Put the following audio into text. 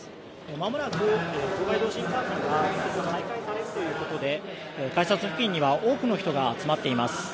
まもなく東海道新幹線は再開されるということで改札付近には多くの人が集まっています。